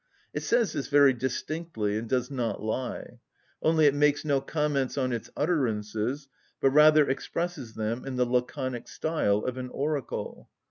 It says this very distinctly, and it does not lie; only it makes no comments on its utterances, but rather expresses them in the laconic style of an oracle.